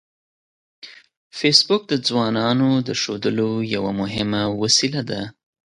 فېسبوک د ځوانانو د ښودلو یوه مهمه وسیله ده